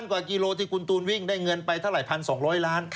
กว่ากิโลที่คุณตูนวิ่งได้เงินไปเท่าไหร่๑๒๐๐ล้าน